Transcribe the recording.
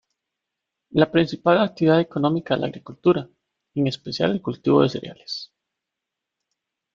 La principal actividad económica es la agricultura, en especial el cultivo de cereales.